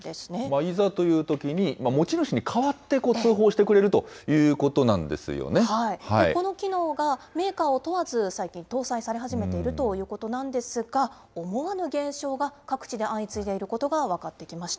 いざというときに、持ち主に代わって通報してくれるというここの機能がメーカーを問わず、最近搭載され始めているということなんですが、思わぬ現象が各地で相次いでいることが分かってきました。